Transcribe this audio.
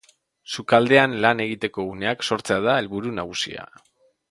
Sukaldean lan egiteko guneak sortzea da helburu nagusia.